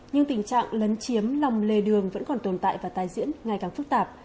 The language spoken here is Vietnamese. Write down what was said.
nhưng tình trạng lấn chiếm lòng lề đường vẫn còn tồn tại và tài diễn ngày càng phức tạp